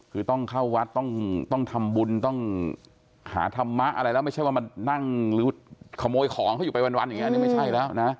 คือต้องเข้าวัดต้องทำบุญต้องหาธรรมะอะไรแล้วไม่ใช่ว่ามานั่งหรือขโมยของเขาอยู่ไปวันอย่างนี้ไม่ใช่แล้วนะ